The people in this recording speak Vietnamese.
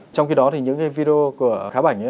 trong khi đó thì những cái video của khá bảnh